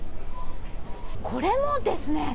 これもですね。